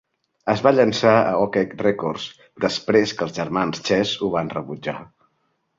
Es va llançar a Okeh Records, després que els germans Chess ho van rebutjar.